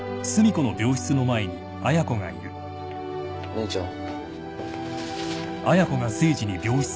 姉ちゃん。